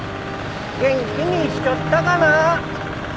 元気にしちょったかな。